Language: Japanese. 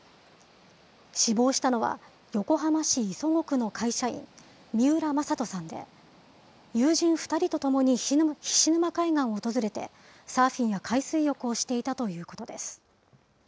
死亡したのは、横浜市磯子区の会社員、三浦慎人さんで、友人２人と共に菱沼海岸を訪れてサーフィンや海水浴をしていたということです。